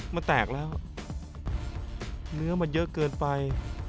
มันแตกแล้วเนื้อมันเยอะเกินไป